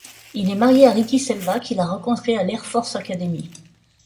Il est marié à Ricki Selva qu'il a rencontrée à l'Air Force Academy.